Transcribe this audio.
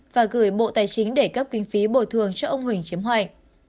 và gửi bộ tài chính đề cấp kinh phí bồi thường cho ông huỳnh chiếm hoạnh